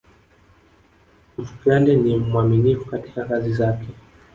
mfugale ni mwaminifu katika kazi zake